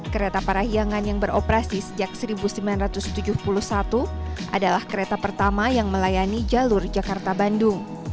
kereta parahiangan yang beroperasi sejak seribu sembilan ratus tujuh puluh satu adalah kereta pertama yang melayani jalur jakarta bandung